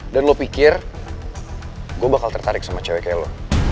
dan lo pikir gue bakal tertarik sama cewek kayak lo